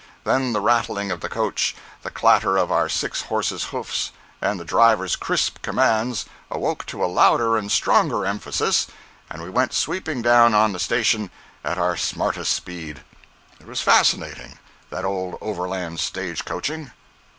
Then the rattling of the coach, the clatter of our six horses' hoofs, and the driver's crisp commands, awoke to a louder and stronger emphasis, and we went sweeping down on the station at our smartest speed. It was fascinating—that old overland stagecoaching.